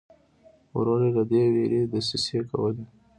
ورور یې له دې وېرې دسیسې کولې.